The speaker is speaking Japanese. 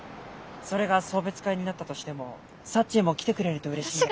それが送別会になったとしてもサッチーも来てくれるとうれしい。